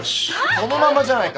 そのまんまじゃないか。